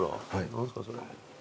何ですかそれ。